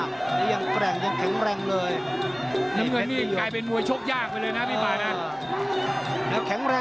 แคร้งแรงใช้ได้ด้วยข้อแข็งน่ะ